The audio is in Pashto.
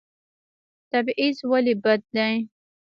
تبعیض ولې بد دی؟